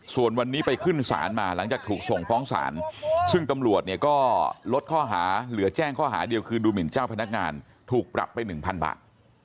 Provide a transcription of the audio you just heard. ส่วนวันนี้ไปขึ้นศาลมาหลังจากถูกส่งฟ้องศาลซึ่งตำรวจเนี่ยก็ลดข้อหาเหลือแจ้งข้อหาเดียวคือดูหมินเจ้าพนักงานถูกปรับไป๑๐๐บาท